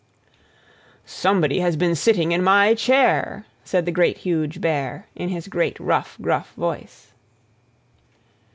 "SOMEBODY HAS BEEN SITTING IN MY CHAIR!" said the Great, Huge Bear, in his great, rough, gruff voice.